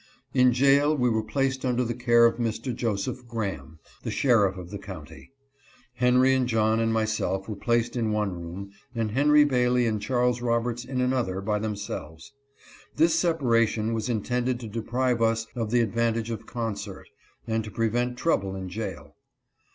In jail we were placed under the care of Mr. Joseph Graham, the sheriff of the county. Henry and John and myself were placed in one room, and Henry Bailey and Charles Roberts in another by themselves. This sepa ration was intended to deprive us of the advantage of concert, and to prevent trouble in jail.